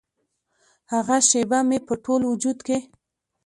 هغه شیبه مې په ټول وجود کې